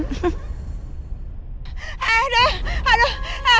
eh aduh aduh eh